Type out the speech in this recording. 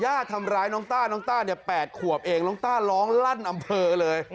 ย่าทำร้ายน้องต้าน้องต้าเนี่ยแปดขวบเองร้องลั้นอำเภอเลย